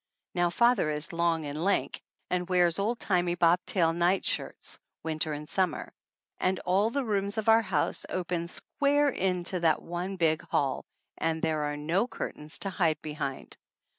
Now, father is long and lank, and wears old timey bob tail night shirts, winter and summer ; and all the rooms of our house open square into that one big hall and there are no curtains to hide behind